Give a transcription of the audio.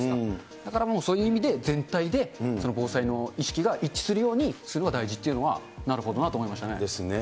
だからそういう意味で全体で防災の意識が一致するようにするのが大事というのはなるほどなと思いましたね。ですね。